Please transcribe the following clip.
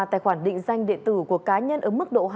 tài khoản định danh điện tử của cá nhân ở mức độ hai